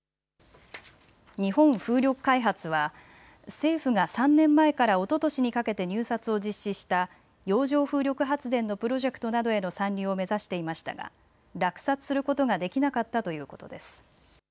日本風力開発は政府が３年前からおととしにかけて入札を開始した洋上風力発電のプロジェクトなどへの参入を目指していましたが落札することができなかったということです。